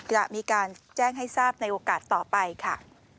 จะมีการแจ้งให้ทราบในโอกาสต่อไปค่ะ